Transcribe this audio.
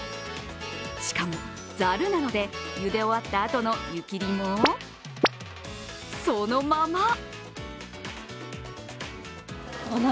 しかも、ザルなのでゆで終わったあとの湯切りもそのまま。